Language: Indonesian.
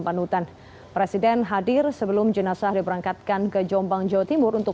di hutan presiden hadir sebelum jenazah diperangkatkan ke jombang jawa timur untuk